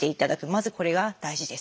まずこれが大事です。